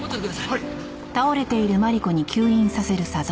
はい！